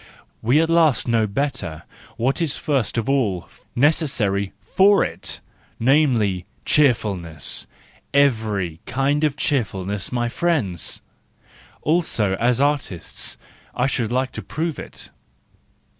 We at last know better what is first of all necessary for it —namely, cheerfulness, every kind of cheerfulness, my friends ! also as artists :—I should like to prove it.